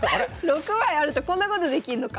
６枚あるとこんなことできんのか！